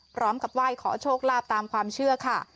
พร้อมกับไหว้ขอโชคลาภตามความเชื่อค่ะ